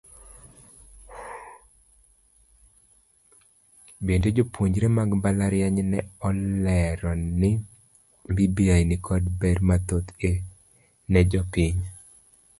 Bende jopuonjre mag mbalariany ne olero ni bbi nikod ber mathoth ne jopiny.